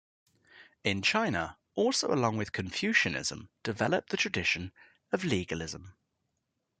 In China also along with Confucianism developed the tradition of Legalism.